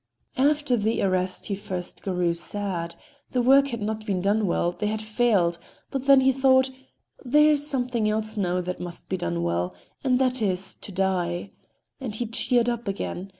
After the arrest he at first grew sad; the work had not been done well, they had failed; but then he thought: "There is something else now that must be done well—and that is, to die," and he cheered up again.